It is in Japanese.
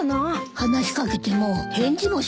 話しかけても返事もしないのよ。